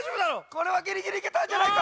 これはギリギリいけたんじゃないか。